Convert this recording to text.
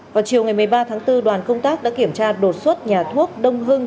vào chiều ngày một mươi ba tháng bốn đoàn công tác đã kiểm tra đột xuất nhà thuốc đông hưng